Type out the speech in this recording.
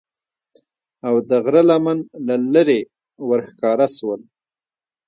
او د غره لمن له لیری ورښکاره سول